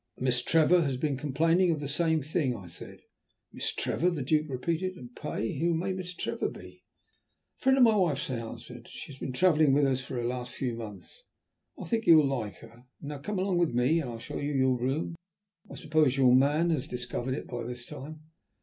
"Miss Trevor has been complaining of the same thing," I said. "Miss Trevor?" the Duke repeated. "And pray who may Miss Trevor be?" "A friend of my wife's," I answered. "She has been travelling with us for the last few months. I think you will like her. And now come along with me and I'll show you your room. I suppose your man has discovered it by this time?"